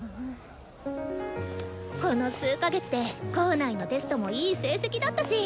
この数か月で校内のテストもいい成績だったし！